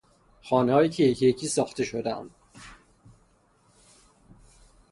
خانههایی که یکییکی ساخته شدهاند